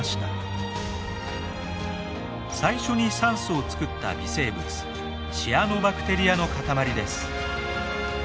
最初に酸素を作った微生物シアノバクテリアの塊です。